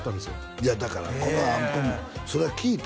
いやだからこの暗譜もそれは聞いた？